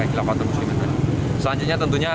kilafatul muslim ini selanjutnya tentunya